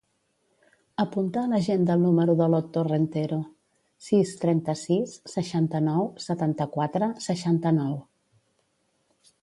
Apunta a l'agenda el número de l'Otto Rentero: sis, trenta-sis, seixanta-nou, setanta-quatre, seixanta-nou.